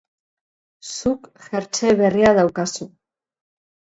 Zuk jertse berria daukazu.